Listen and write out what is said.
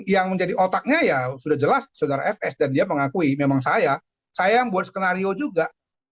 yang menjadi otaknya ya sudah jelas saudara fs dan dia mengakui memang saya saya yang buat skenario juga